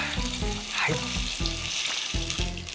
はい。